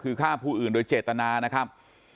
คือฆ่าผู้อื่นโดยเจตนานะครับ